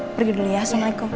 pergi dulu ya assalamualaikum